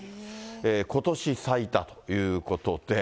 ことし最多ということで。